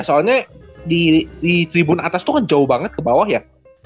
soalnya di tribun atas itu kan jauh banget ke bawah ya